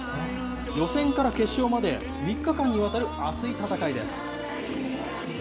予選から決勝まで、３日間にわたる熱い戦いです。